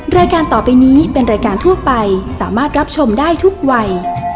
รายการต่อไปนี้เป็นรายการทั่วไปสามารถรับชมได้ทุกวัย